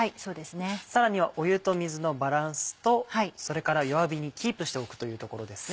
さらには湯と水のバランスとそれから弱火にキープしておくというところですね。